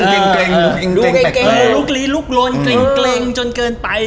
ดูเกรงดูแกล้งลุกลีลุกลนเกรงจนเกินไป